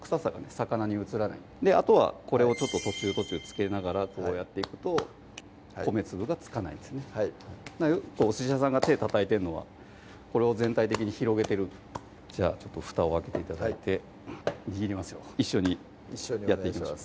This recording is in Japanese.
魚にうつらないあとはこれをちょっと途中途中つけながらこうやっていくと米粒がつかないんですねよくお寿司屋さんが手たたいてるのはこれを全体的に広げてるじゃあふたを開けて頂いてはい握りますよ一緒にやっていきましょう